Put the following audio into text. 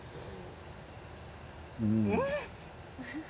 うん。